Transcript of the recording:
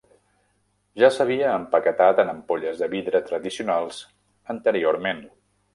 Ja s'havia empaquetat en ampolles de vidre tradicionals anteriorment.